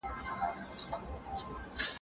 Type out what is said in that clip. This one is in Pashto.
خپل ځان له هر ډول بدې ملګرتیا وساتئ.